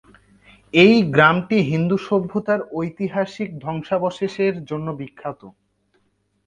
এই গ্রামটি হিন্দু সভ্যতার ঐতিহাসিক ধ্বংসাবশেষের জন্য বিখ্যাত।